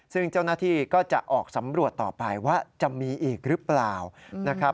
ซึ่งเจ้าหน้าที่ก็จะออกสำรวจต่อไปว่าจะมีอีกหรือเปล่านะครับ